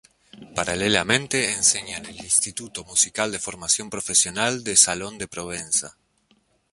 Paralelamente, enseña en el Instituto musical de formación profesional de Salón-de-Provenza.